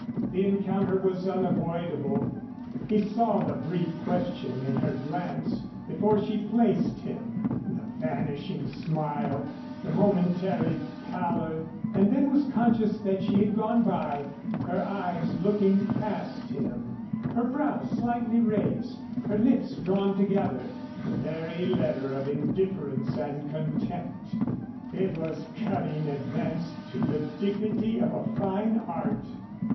The encounter was unavoidable. He saw the brief question in her glance before she placed him, the vanishing smile, the momentary pallor, and then was conscious that she had gone by, her eyes looking past him, her brows slightly raised, her lips drawn together, the very letter of indifference and contempt. It was cutting advanced to the dignity of a fine art.